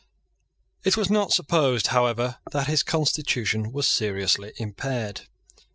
It was not supposed however that his constitution was seriously impaired.